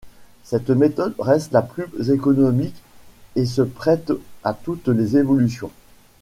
Cette méthode reste la plus économique et se prête à toutes les évolutions.